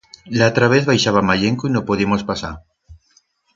L'atra vez baixaba mayenco y no podiemos pasar.